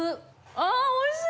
あおいしい！